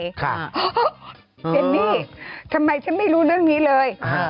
เจนนี่ทำไมฉันไม่รู้เรื่องนี้เลย